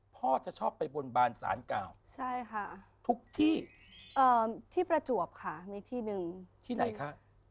พ่อจะชอบไปบนบานสารเก่าใช่ค่ะทุกที่ที่ประจวบค่ะมีที่หนึ่งที่ไหนคะ